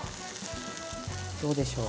どうでしょう。